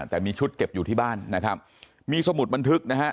แต่มีชุดเก็บอยู่ที่บ้านนะครับมีสมุดบันทึกนะฮะ